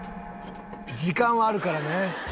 時間はあるからね。